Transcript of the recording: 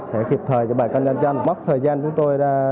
sẽ kịp thời cho bà con dân dân mất thời gian chúng tôi